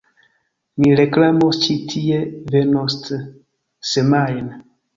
Mi reklamos ĉi tie venontsemajne